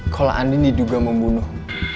kalo andin diduga membunuh